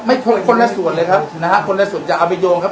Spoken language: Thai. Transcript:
คนคนละส่วนเลยครับนะฮะคนละส่วนจะเอาไปโยงครับ